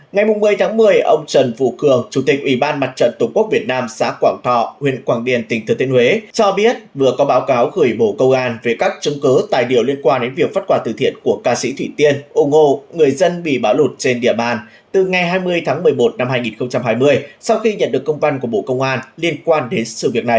ngày một mươi tháng một mươi ông trần phụ cường chủ tịch ủy ban mặt trận tổ quốc việt nam xã quảng thọ huyện quảng điền tỉnh thừa thiên huế cho biết vừa có báo cáo gửi bộ công an về các chứng cứ tài điều liên quan đến việc phát quà từ thiện của ca sĩ thủy tiên ủng hộ người dân bị báo lột trên địa bàn từ ngày hai mươi tháng một mươi một năm hai nghìn hai mươi sau khi nhận được công văn của bộ công an liên quan đến sự việc này